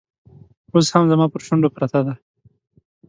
اوس هم زما پر شونډو پرته ده